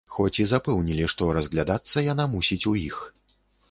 Хоць і запэўнілі, што разглядацца яна мусіць у іх.